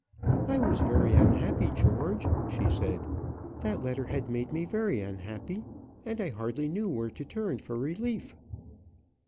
"I was very unhappy, George," she said; "that letter had made me very unhappy, and I hardly knew where to turn for relief."